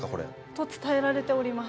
と伝えられております。